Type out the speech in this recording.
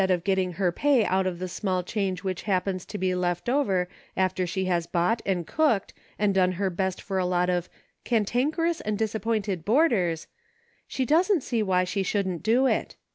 of getting her pay out of the small change which happens to be left after she has bought, and cooked, and done her best for a lot of * cantankerous and disappointed boarders,' she doesn't see why she shouldn't do it.